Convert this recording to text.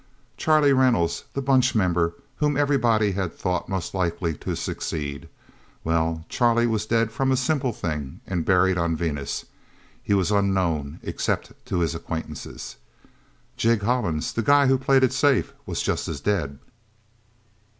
Charlie Reynolds the Bunch member whom everybody had thought most likely to succeed. Well, Charlie was dead from a simple thing, and buried on Venus. He was unknown except to his acquaintances. Jig Hollins, the guy who had played it safe, was just as dead.